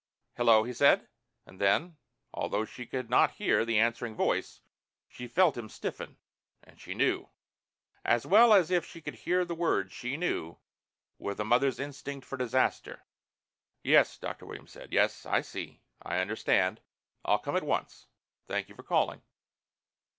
"Hello," he said. And then, although she could not hear the answering voice, she felt him stiffen. And she knew. As well as if she could hear the words she knew, with a mother's instinct for disaster. "Yes," Dr. Williams said. "Yes ... I see ... I understand ... I'll come at once.... Thank you for calling."